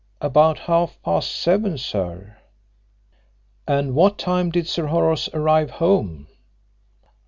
"About half past seven, sir." "And what time did Sir Horace arrive home?"